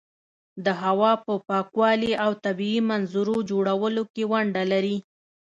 د هوا په پاکوالي او طبیعي منظرو جوړولو کې ونډه لري.